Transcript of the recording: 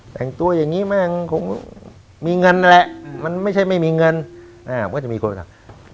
แต่งตัวอย่างนี้แม่งคงมีเงินนั่นแหละมันไม่ใช่ไม่มีเงินมันก็จะมีคนไปสั่ง